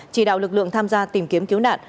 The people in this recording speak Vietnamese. chỉ đạo lực lượng tham gia tìm kiếm cứu nạn